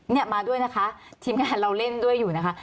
เนี่ยมาด้วยนะคะทีมงานเราเล่นด้วยอยู่นะคะ